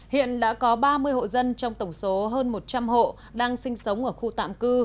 hiện đã có ba mươi hộ dân trong tổng số hơn một trăm linh hộ đang sinh sống ở khu tạm cư